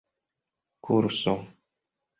kurso